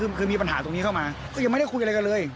คือมีปัญหาตรงนี้เข้ามาก็ยังไม่ได้คุยอะไรกันเลย